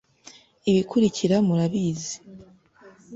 Ibikulikira murabizi.